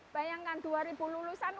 bayangkan dua lulusan itu kalau belajarannya